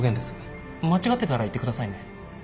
間違ってたら言ってくださいね